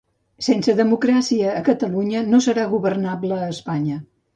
Sense democràcia a Catalunya no serà governable a Espanya.